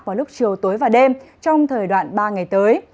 vào lúc chiều tối và đêm trong thời đoạn ba ngày tới